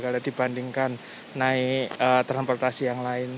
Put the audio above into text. kalau dibandingkan naik transportasi yang lain